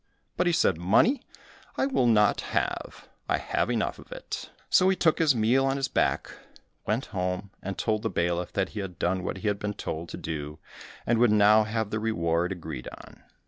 But he said, "Money, I will not have, I have enough of it." So he took his meal on his back, went home, and told the bailiff that he had done what he had been told to do, and would now have the reward agreed on.